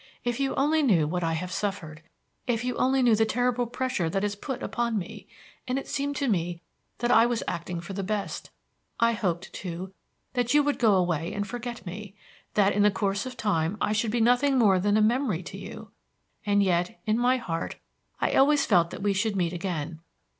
If you only knew what I have suffered, if you only knew the terrible pressure that is put upon me; and it seemed to me that I was acting for the best. I hoped, too, that you would go away and forget me; that in the course of time I should be nothing more than a memory to you. And yet, in my heart, I always felt that we should meet again.